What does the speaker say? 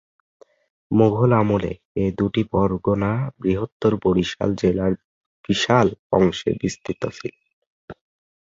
মুগল আমলের এ দুটি পরগনা বৃহত্তর বরিশাল জেলার বিশাল অংশে বিস্তৃত ছিল।